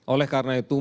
oleh karena itu